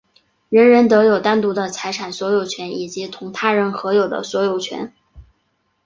人人得有单独的财产所有权以及同他人合有的所有权。